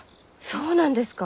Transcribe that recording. そうなんですか？